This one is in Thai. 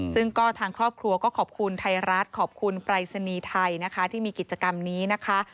ซึ่งก็ทางครอบครัวก็ขอบคุณไทยรัฐขอบคุณปรายศนีย์ไทยนะคะที่มีกิจกรรมนี้นะคะ